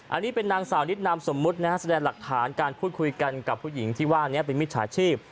อันนี้เป็นนางสาวนิดนามสมมุตินะฮะแสดงหลักฐานการพูดคุยกันกับผู้หญิงที่ว่านี้เป็นมิจฉาชีพ